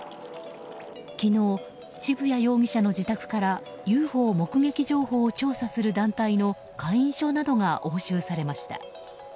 昨日、渋谷容疑者の自宅からＵＦＯ目撃情報を調査する団体の会員証などが押収されました。